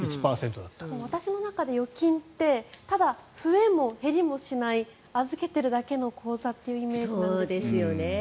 私の中で預金って増えも減りもしない預けているだけの口座というイメージです。